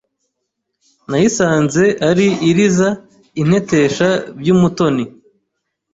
Nayisanze ari iriza Intetesha by'umutoni